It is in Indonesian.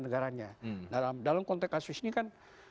negaranya dalam konteks kasus ini kan